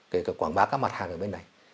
kể cả quảng bá các mặt hàng ở bên này